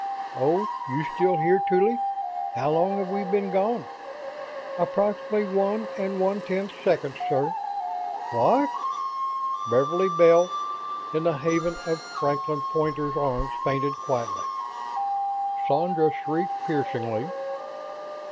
"Oh you still here, Tuly? How long have we been gone?" "Approximately one and one tenth seconds, sir." "WHAT!" Beverly Bell, in the haven of Franklin Poynter's arms, fainted quietly. Sandra shrieked piercingly.